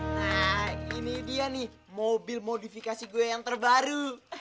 nah ini dia nih mobil modifikasi gue yang terbaru